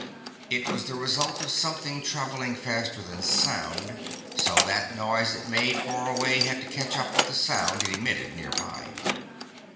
It was the result of something traveling faster than sound, so that the noise it made far away had to catch up with the sound it emitted nearby.